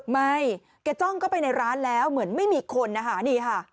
ไม่แกจ้องเข้าไปในร้านแล้วเหมือนไม่มีคนนะคะนี่ค่ะ